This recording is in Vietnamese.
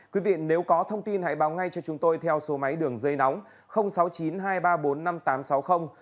quý vị nếu có thông tin hãy báo ngay cho chúng tôi theo số máy đường dây nóng sáu trăm linh